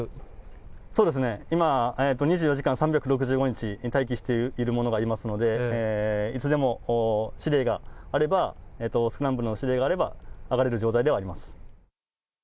今、２４時間３６５日、待機している者がいますので、いつでも指令があれば、スクランブルの指令があれば、上がれる状態ではあります。